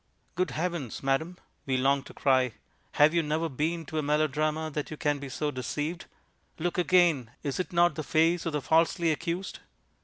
"Good Heavens, madam," we long to cry, "have you never been to a melodrama that you can be so deceived? Look again! Is it not the face of the Falsely Accused?"